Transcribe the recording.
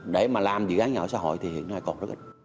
để mà làm dự án nhà ở xã hội thì hiện nay còn rất ít